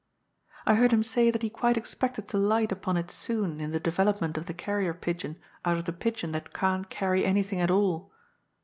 I heard him say that he quite expected to light upon it soon in the development of the carrier pigeon out of the pigeon that can't carry anything at all.